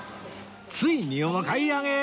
ついにお買い上げ！